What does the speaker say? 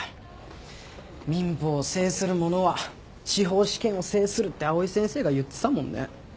民法を制する者は司法試験を制するって藍井先生が言ってたもんね。